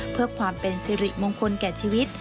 เพื่อความเป็นสิริมงคลแก่ชีวิต